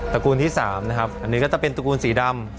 ระกูลที่๓นะครับอันนี้ก็จะเป็นตระกูลสีดำ